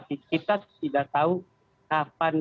kita tidak tahu kapan